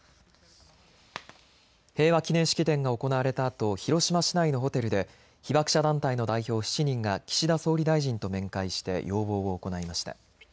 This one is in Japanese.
平和記念式典が行われたあと広島市内のホテルで被爆者団体の代表７人が岸田総理大臣と面会して要望を行いました。